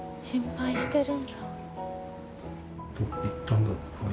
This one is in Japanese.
心配してるんだ。